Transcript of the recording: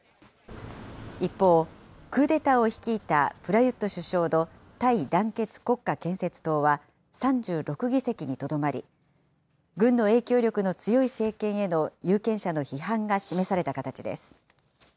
一方、クーデターを率いたプラユット首相のタイ団結国家建設党は３６議席にとどまり、軍の影響力の強い政権への有権者の批判が示された形です。